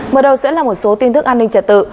mở đầu sẽ là một số tin thức an ninh trẻ tự